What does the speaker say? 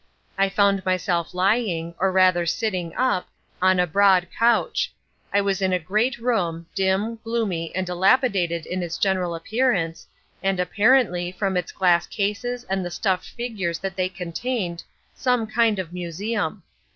I found myself lying, or rather sitting up, on a broad couch. I was in a great room, dim, gloomy, and dilapidated in its general appearance, and apparently, from its glass cases and the stuffed figures that they contained, some kind of museum.